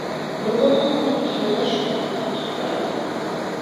نۇرغۇنلىغان كونا كىنولار شۇنداق يوقاپ كېتىپ بارىدۇ.